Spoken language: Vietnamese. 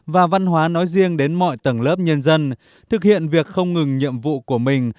và văn hóa nói riêng đến mọi tầng lớp nhân dân thực hiện việc không ngừng nhiệm vụ của mình